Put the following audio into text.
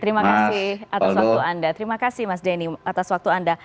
terima kasih atas waktu anda terima kasih mas denny atas waktu anda